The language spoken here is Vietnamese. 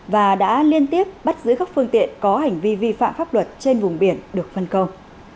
và đã liên tiếp bắt giữ các phương tiện có hành vi vi phạm pháp luật trên vùng biển được phân công